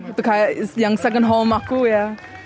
itu kayak yang second home aku ya